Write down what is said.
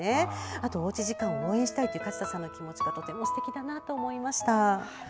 あとおうち時間を応援したいという勝田さんの思いがとてもすてきだなと思いました。